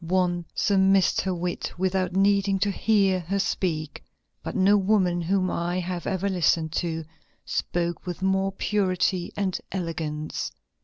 One surmised her wit without needing to hear her speak, but no woman whom I have ever listened to, spoke with more purity and elegance.